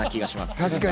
確かに。